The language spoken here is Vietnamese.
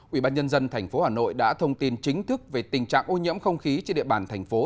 ubnd tp hà nội đã thông tin chính thức về tình trạng ô nhiễm không khí trên địa bàn thành phố